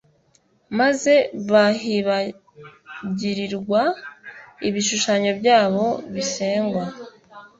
Maze bahibagirirwa ibishushanyo byabo bisengwa